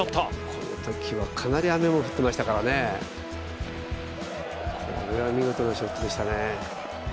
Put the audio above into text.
このときはかなり雨も降ってましたからね、これは見事なショットでしたね。